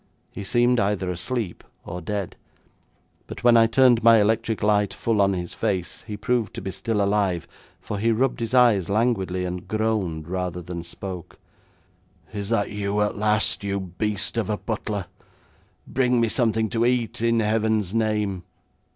He seemed either asleep or dead, but when I turned my electric light full on his face he proved to be still alive, for he rubbed his eyes languidly, and groaned, rather than spoke: 'Is that you at last, you beast of a butler? Bring me something to eat, in Heaven's name!'